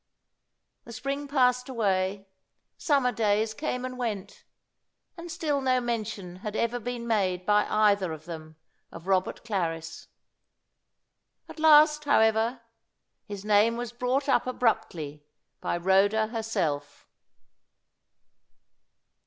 The spring passed away, summer days came and went, and still no mention had ever been made by either of them of Robert Clarris. At last, however, his name was brought up abruptly by Rhoda herself.